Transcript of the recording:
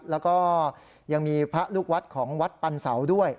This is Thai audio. แล้วก็ยังมีพระลูกวัดของวัดปันเสาด้วย